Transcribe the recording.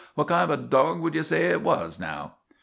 " What kind of a dog would ye say it was, now